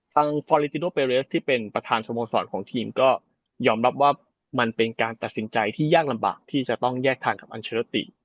ฟอลิติโนเปเรสที่เป็นประธานสโมสรของทีมก็ยอมรับว่ามันเป็นการตัดสินใจที่ยากลำบากที่จะต้องแยกทางกับอัลเชอร์ติ